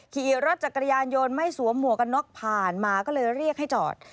ขี่รถจากก๋วยานโยนไม่สัวหมวกับนอกผ่านมาก็เลยเรียกให้จอด